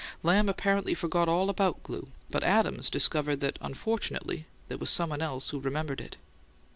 Lamb apparently forgot all about glue, but Adams discovered that unfortunately there was someone else who remembered it.